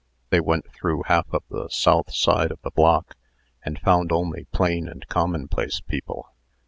They went through half of the south side of the block, and found only plain and commonplace people.